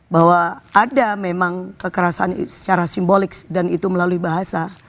bahwa ada memang kekerasan secara simbolik dan itu melalui bahasa